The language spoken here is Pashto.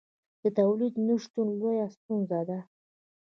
د تولید نشتون لویه ستونزه ده.